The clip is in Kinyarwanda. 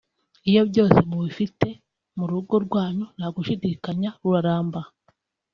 iyo byose mubifite mu rugo rwanyu nta gushidikanya ruraramba